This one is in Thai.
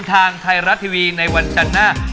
ทางไทยรัฐทีวีในวันจันทร์หน้า